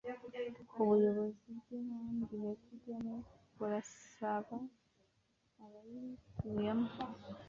ubuyobozi bw’inkambi ya kigeme burasaba abayituyemo